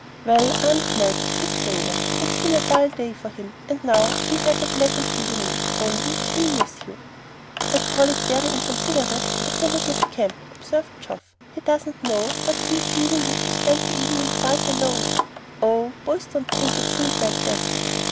"Well, I'm glad," said Clover. "It's been a dull day for him, and now he'll have a pleasant evening, only he'll miss you." "I call it very inconsiderate of the little scamp," observed Geoff. "He doesn't know but that he's leaving you to spend the evening quite alone." "Oh, boys don't think of things like that."